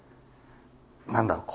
何だろう